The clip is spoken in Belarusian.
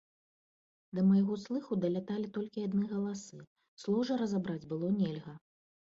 Да майго слыху даляталі толькі адны галасы, слоў жа разабраць было нельга.